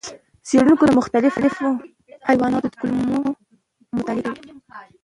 څېړونکو د مختلفو حیواناتو کولمو مطالعې کړې.